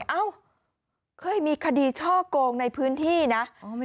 เอ้าเคยมีคดีช่อกงในพื้นที่นะ